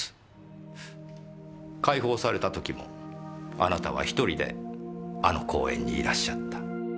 解放された時もあなたは１人であの公園にいらっしゃった。